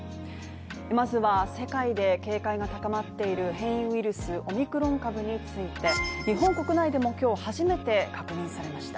まずは世界で警戒が高まっている変異ウイルスオミクロン株について日本国内でも今日初めて確認されました。